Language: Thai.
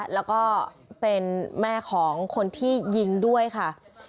แล้วก็เป็นแม่ของคนที่ยิงด้วยค่ะ